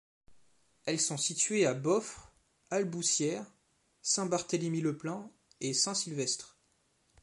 Elles sont situées à Boffres, Alboussière, Saint-Barthélemy-le-Plain et Saint-Sylvestre.